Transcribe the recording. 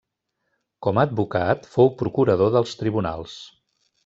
Com a advocat fou procurador dels tribunals.